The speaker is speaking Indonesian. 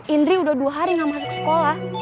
indri udah dua hari gak masuk sekolah